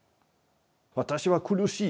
私は苦しい。